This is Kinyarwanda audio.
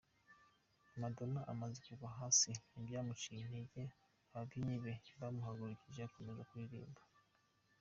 Madonna amaze kugwa hasi ntibyamuciye intege, ababyinnyi be bamuhagurukije akomeza kuririmba.